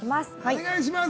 お願いします！